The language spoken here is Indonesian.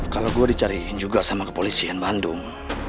kalau gue dicariin juga sama kepolisian bandung